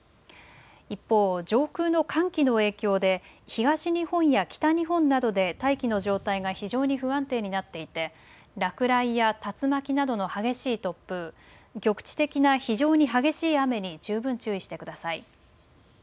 一方、上空の寒気の影響で東日本や北日本などで大気の状態が非常に不安定になっていて落雷や竜巻などの激しい突風、局地的な非常に激しい雨に十分注意してください。